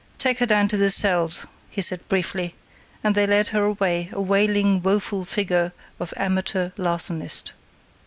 "Take her down to the cells," he said briefly, and they led her away, a wailing, woeful figure of amateur larcenist.